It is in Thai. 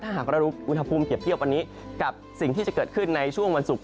ถ้าหากเราดูอุณหภูมิเปรียบเทียบวันนี้กับสิ่งที่จะเกิดขึ้นในช่วงวันศุกร์